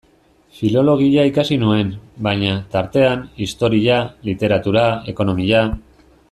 Filologia ikasi nuen, baina, tartean, historia, literatura, ekonomia...